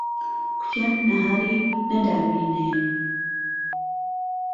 کوتیان نەهاری نەداوینێ